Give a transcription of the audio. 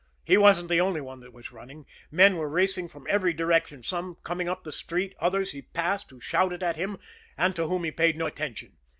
He wasn't the only one that was running; men were racing from every direction; some coming up the street; others, he passed, who shouted at him, and to whom he paid no attention.